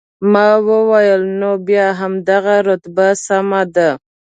ما وویل، نو بیا همدغه رتبه سمه ده.